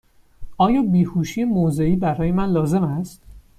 آیا بیهوشی موضعی برای من لازم است؟